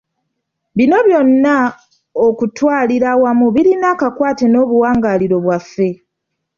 Bino byonna okutwalira awamu birina akakwate n'obuwangaaliro bwaffe.